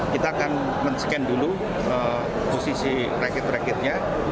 kita akan men scan dulu posisi rakit rakitnya